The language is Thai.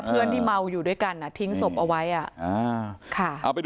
เพื่อนที่เมาอยู่ด้วยกันอ่ะทิ้งศพเอาไว้อ่ะอ่าค่ะ